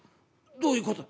どういうことだ？」。